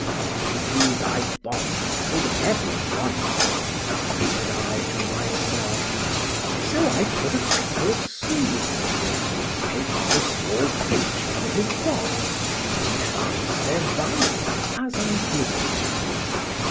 —Pity thy box should ever want one! said I to myself; so I put a couple of sous into it—taking a small pinch out of his box, to enhance their value, as I did it.